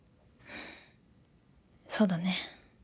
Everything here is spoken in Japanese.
そうだね。